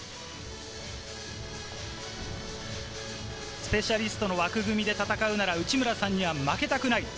スペシャリストの枠組みで戦うなら内村さんには負けたくない。